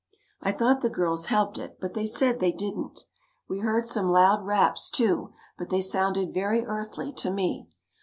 I thought the girls helped it but they said they didn't. We heard some loud raps, too, but they sounded very earthly to me.